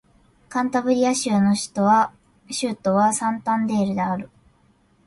カンタブリア州の州都はサンタンデールである